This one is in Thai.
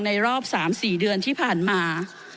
รอบ๓๔เดือนที่ผ่านมา